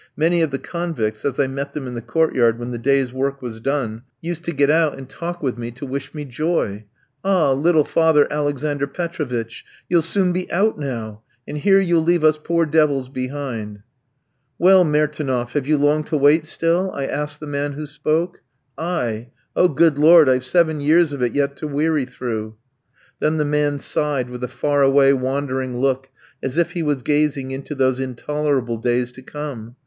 Many of the convicts, as I met them in the court yard when the day's work was done, used to get out, and talk with me to wish me joy. "Ah, little Father Alexander Petrovitch, you'll soon be out now! And here you'll leave us poor devils behind!" "Well, Mertynof, have you long to wait still?" I asked the man who spoke. "I! Oh, good Lord, I've seven years of it yet to weary through." Then the man sighed with a far away, wandering look, as if he was gazing into those intolerable days to come....